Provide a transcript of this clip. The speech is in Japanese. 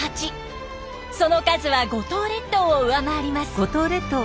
その数は五島列島を上回ります。